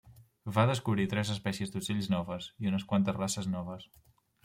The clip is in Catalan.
Va descobrir tres espècies d'ocells noves i unes quantes races noves.